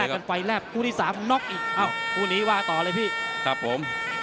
แรกเป็นไฟแรกครูที่สามน็อกอีกอ้าวครูหนีมาต่อเลยพี่ครับผม